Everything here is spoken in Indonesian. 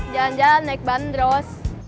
jalan jalan naik bandros